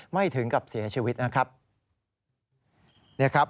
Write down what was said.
ถึงกับเสียชีวิตนะครับ